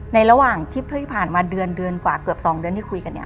ในระหว่างที่ผ่านมาเดือนกว่าเกือบ๒เดือนที่คุยกัน